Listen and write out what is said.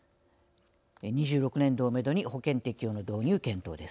２６年度をめどに保険適用の導入検討です。